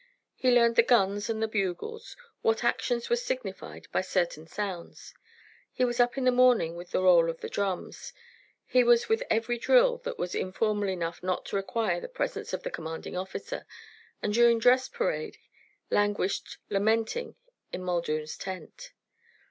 He learned the guns and the bugles, what actions were signified by certain sounds. He was up in the morning with the roll of the drums. He was with every drill that was informal enough not to require the presence of the commanding officer, and during dress parade languished, lamenting, in Muldoon's tent.